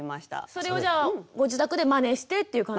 それをじゃあご自宅でマネしてっていう感じ？